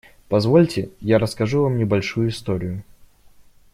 Позвольте, я расскажу вам небольшую историю.